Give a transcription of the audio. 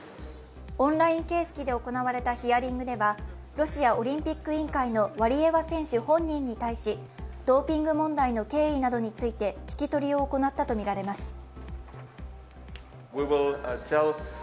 オンライン形式で行われたヒアリングではロシアオリンピック委員会のワリエワ選手本人に対しドーピング問題の経緯などについて聞き取りを行ったとみられます。